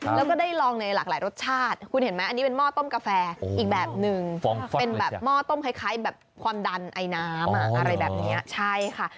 แล้วก็ได้ลองในหลากหลายรสชาติคุณเห็นไหมอันนี้เป็นหม้อต้มกาแฟอีกแบบนึงเป็นแบบหม้อต้มคล้ายแบบความดันไอน้ำอะไรแบบนี้ใช่ค่ะ